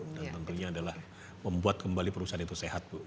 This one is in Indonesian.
dan tentunya adalah membuat kembali perusahaan itu sehat bu